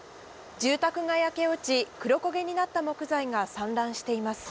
住宅が焼け落ち、黒焦げになった木材が散乱しています。